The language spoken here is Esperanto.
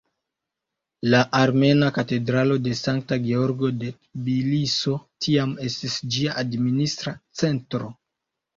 La armena katedralo Sankta Georgo de Tbiliso tiam estis ĝia administra centro.